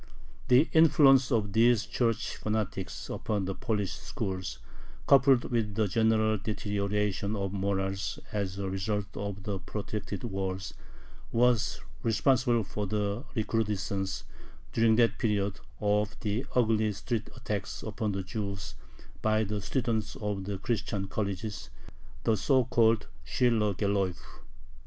The influence of these Church fanatics upon the Polish schools, coupled with the general deterioration of morals as a result of the protracted wars, was responsible for the recrudescence, during that period, of the ugly street attacks upon the Jews by the students of the Christian colleges, the so called Schülergeläuf.